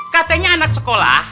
katanya anak sekolah